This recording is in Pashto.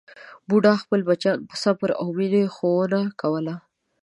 بوډا خپل بچیان په صبر او مینې ښوونه کول.